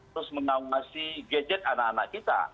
terus mengawasi gadget anak